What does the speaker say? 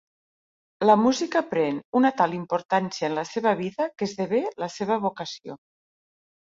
La música pren una tal importància en la seva vida que esdevé la seva vocació.